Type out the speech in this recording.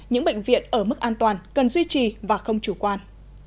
những bệnh viện ở mức an toàn cần duy trì và không chủ quan